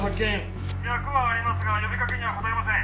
「脈はありますが呼びかけには応えません」